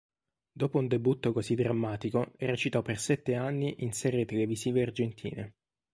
Dopo un debutto così drammatico recitò per sette anni in serie televisive argentine.